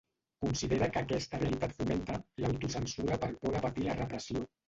Considera que aquesta realitat fomenta “l’autocensura per por de patir la repressió”.